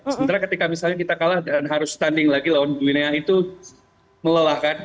sementara ketika misalnya kita kalah dan harus standing lagi lawan guminea itu melelahkan